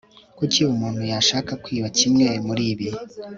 kuki umuntu yashaka kwiba kimwe muribi